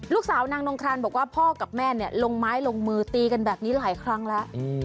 ลูกสาวนางนงครานบอกว่าพ่อกับแม่เนี่ยลงไม้ลงมือตีกันแบบนี้หลายครั้งแล้ว